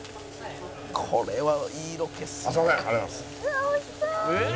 「これはいいロケっすね！」